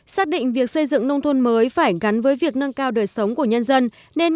xác định việc xây dựng nông thôn mới phải gắn với việc nâng cao đời sống của nhân dân